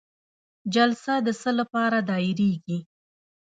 جلسه د څه لپاره دایریږي؟